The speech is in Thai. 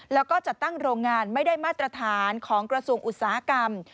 แล้วก็จัดตั้งโรงงานไม่ได้มาตรฐานของกระทรวงอุตสาหกรรม